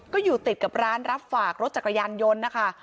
ก็อยู่ติดกับร้านรับฝากรถจักรยานยนต์นะคะ